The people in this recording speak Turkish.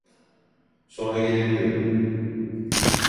Sonra gelebilirim.